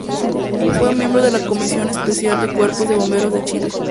Fue miembro de la Comisión Especial de Cuerpos de Bomberos de Chile.